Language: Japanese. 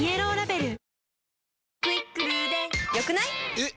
えっ！